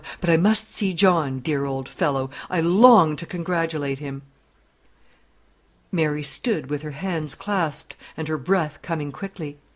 But I must see John, dear old fellow! I long to congratulate him." Mary stood with her hands clasped, and her breath coming quickly.